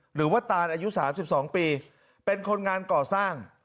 ตานอายุ๓๒ปีเป็นคนงานก่อสร้าง